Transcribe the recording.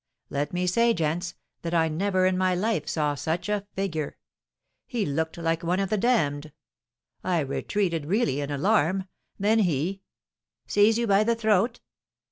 Let me say, gents, that I never in my life saw such a figure; he looked like one of the damned. I retreated really in alarm. Then he " "Seized you by the throat?"